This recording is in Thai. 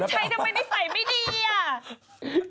กัญชัยเนอะในทัยไม่ดีอ่ะ